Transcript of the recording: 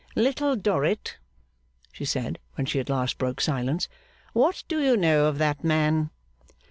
'Little Dorrit,' she said, when she at last broke silence, 'what do you know of that man?